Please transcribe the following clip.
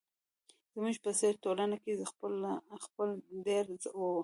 زموږ په څېر ټولنه کې ځپل ډېر وو.